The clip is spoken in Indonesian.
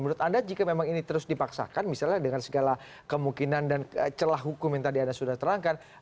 menurut anda jika memang ini terus dipaksakan misalnya dengan segala kemungkinan dan celah hukum yang tadi anda sudah terangkan